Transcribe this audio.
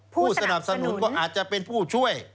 ผู้สนับสนุนก็อาจจะเป็นผู้ช่วย